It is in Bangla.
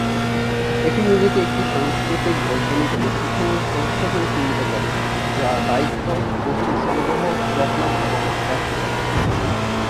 এটি নিজেকে "একটি সাংস্কৃতিক, বৈজ্ঞানিক এবং শিক্ষামূলক সংস্থা হিসাবে চিহ্নিত করে, যা দায়িত্ব বস্তুর সংগ্রহ, যত্ন এবং ব্যাখ্যা করা।"